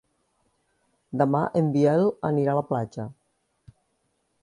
Demà en Biel anirà a la platja.